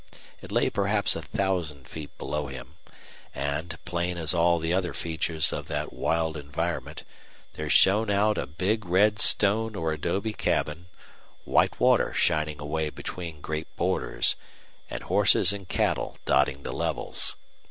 It lay perhaps a thousand feet below him; and, plain as all the other features of that wild environment, there shone out a big red stone or adobe cabin, white water shining away between great borders, and horses and cattle dotting the levels.